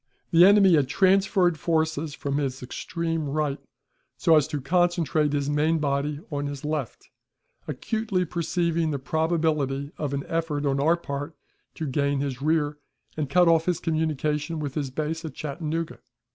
The enemy had transferred forces from his extreme right so as to concentrate his main body on his left, acutely perceiving the probability of an effort on our part to gain his rear, and cut off his communication with his base at Chattanooga.